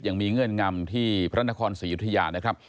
เงื่อนงำที่พระนครศรียุธยานะครับ